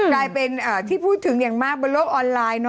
กลายเป็นที่พูดถึงอย่างมากบนโลกออนไลน์